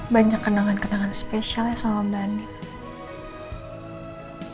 banyak kenangan kenangan spesial ya sama mbak andi